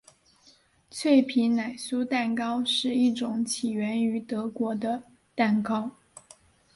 脆皮奶酥蛋糕是一种起源于德国的蛋糕。